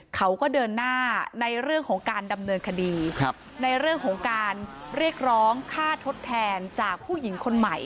เขาก็เดินหน้าในเรื่องของการดำเนินคดีในเรื่องของการเรียกร้องค่าทดแทนจากผู้หญิงคนใหม่